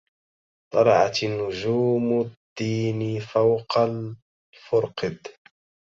طلعت نجوم الدين فوق الفرقد